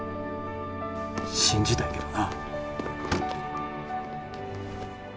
信じたいけどな。